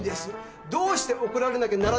どうして怒られなきゃならないんですか？